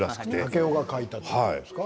竹雄が描いたっていうことですか？